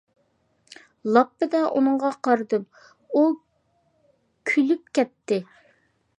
لاپپىدە ئۇنىڭغا قارىدىم، ئۇ كۈلۈپ كەتتى.